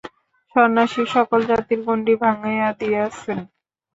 সন্ন্যাসী সকল জাতির গণ্ডী ভাঙিয়া দিয়াছেন।